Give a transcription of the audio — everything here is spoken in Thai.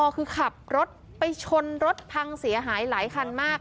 คือขับรถไปชนรถพังเสียหายหลายคันมาก